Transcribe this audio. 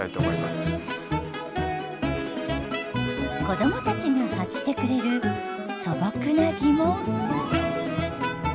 子どもたちが発してくれるそぼくな疑問。